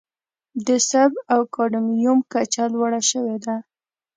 د سرب او کاډمیوم کچه لوړه شوې ده.